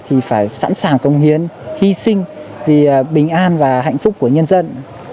thì phải sẵn sàng công hiến hy sinh vì bình an và hạnh phúc của nhân dân